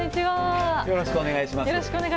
よろしくお願いします。